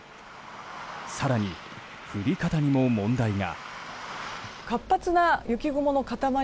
更に、降り方にも問題が。